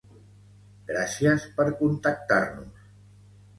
Gràcies per contactar-nos!